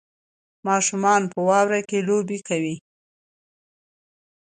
ماشومان په واورو کې لوبې کوي